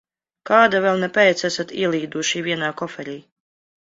Kāda velna pēc esat ielīduši vienā koferī?